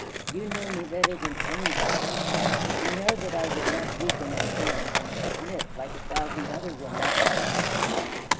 You know me better than anyone. You know that I will not weaken and bend and submit, like a thousand other women.